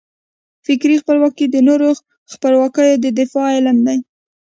فکري خپلواکي د نورو خپلواکیو د دفاع علم دی.